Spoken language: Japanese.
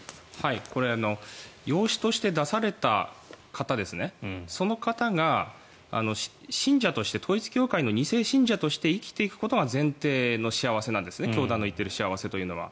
これは養子として出された方その方が信者として統一教会の２世信者として生きていくことが前提の幸せなんですね教団の言っている幸せというのは。